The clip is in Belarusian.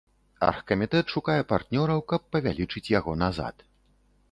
Аргкамітэт шукае партнёраў, каб павялічыць яго назад.